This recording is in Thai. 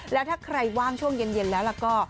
แล้วถ้าใครว่างช่วงเย็นแล้วก็